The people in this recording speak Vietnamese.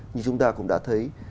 như chúng ta cũng đã thấy